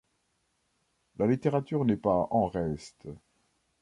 La littérature n’est pas en reste.